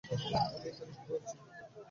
আমি এখানে কি করছি?